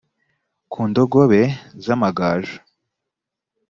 ku ndogobe z amagaju